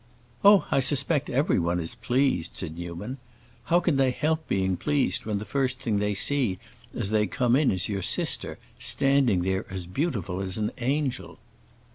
"Oh, I suspect everyone is pleased," said Newman. "How can they help being pleased when the first thing they see as they come in is your sister, standing there as beautiful as an angel?"